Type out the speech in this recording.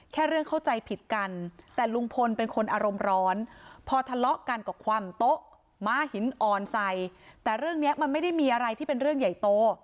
แค่เรื่องเข้าใจผิดกันแต่ลุงพลเป็นคนอารมณ์ร้อนพอทะเลาะกันก็ความโต๊ะม้าหินอ่อนใส่แต่เรื่องนี้มันไม่ได้มีอะไรที่เป็นเรื่องใหญ่โต